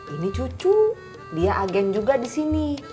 ini cucu dia agen juga disini